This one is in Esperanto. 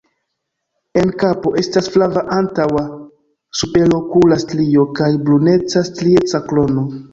En kapo estas flava antaŭa superokula strio kaj bruneca strieca krono.